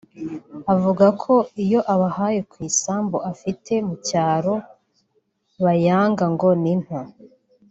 Avuga ko iyo abahaye ku isambu afite mu cyaro bayanga ngo ni nto